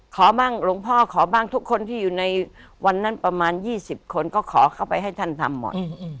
ขอบ้างหลวงพ่อขอบ้างทุกคนที่อยู่ในวันนั้นประมาณ๒๐คนก็ขอเข้าไปให้ท่านทำหมด